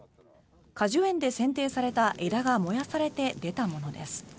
果樹園でせん定された枝が燃やされて出たものです。